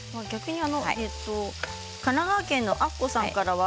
神奈川県の方からです。